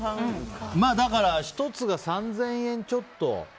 だから１つが３０００円ちょっと。